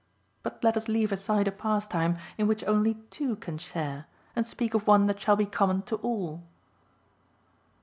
But let us leave aside a pastime in which only two can share, and speak of one that shall be common to all."